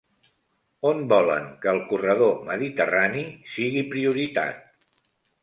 On volen que el corredor mediterrani sigui prioritat?